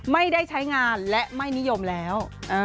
ไม่ได้ใช้งานและไม่นิยมแล้ว